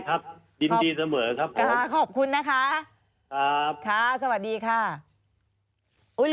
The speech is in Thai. คูณไพง